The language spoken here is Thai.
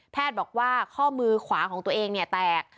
แพทย์บอกว่าข้อมือขวาของตัวเองแตก